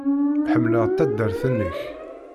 Ḥemmleɣ taddart-nnek.